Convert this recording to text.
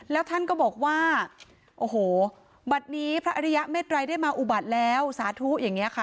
แล้วท่านก็บอกว่าโอ้โหบัตรนี้พระอริยะเมตรัยได้มาอุบัติแล้วสาธุอย่างนี้ค่ะ